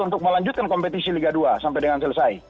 untuk melanjutkan kompetisi liga dua sampai dengan selesai